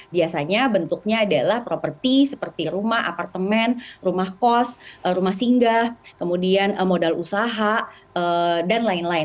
biasanya bentuknya adalah properti seperti rumah apartemen rumah kos rumah singgah kemudian modal usaha dan lain lain